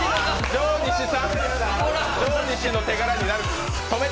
上西の手柄になる。